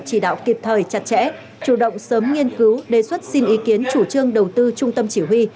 chỉ đạo kịp thời chặt chẽ chủ động sớm nghiên cứu đề xuất xin ý kiến chủ trương đầu tư trung tâm chỉ huy